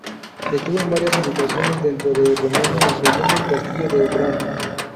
Estuvo en varias ubicaciones dentro de Rumania, incluyendo el Castillo de Bran.